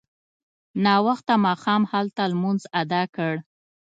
ناوخته ماښام هلته لمونځ اداء کړ.